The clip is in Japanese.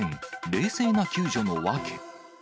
冷静な救助の訳。